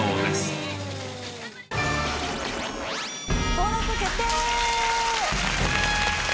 登録決定！